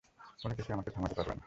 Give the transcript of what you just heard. কোনোকিছুই আমাকে থামাতে পারবে না।